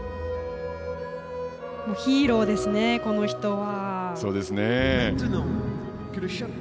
ヒーローですね、この人は。